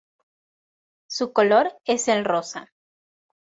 Su color es el rosa.